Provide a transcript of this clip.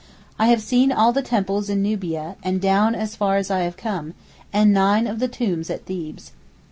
I have seen all the temples in Nubia and down as far as I have come, and nine of the tombs at Thebes.